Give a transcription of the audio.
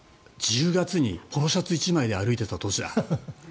１０月にポロシャツ１枚で歩いてた年だ。